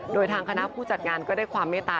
โดยทางคณะผู้จัดงานก็ได้ความเมตตา